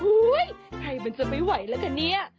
อุ้ยใครมันจะไม่ไหวละคะเนี่ย